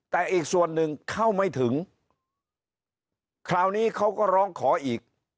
แต่อีกส่วนหนึ่งเข้าไม่ถึงคราวนี้เขาก็ร้องขออีก